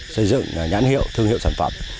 xây dựng nhãn hiệu thương hiệu sản phẩm